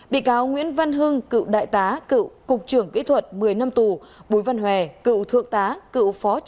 bị cáo nguyễn văn hưng cựu đại tá cựu cục trưởng kỹ thuật một mươi năm tù